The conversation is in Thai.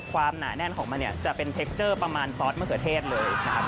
หนาแน่นของมันเนี่ยจะเป็นเทคเจอร์ประมาณซอสมะเขือเทศเลยนะครับ